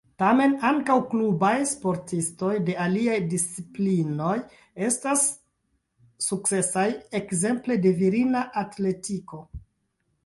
Tamen ankaŭ klubaj sportistoj de aliaj disciplinoj estas sukcesaj, ekzemple de virina atletiko.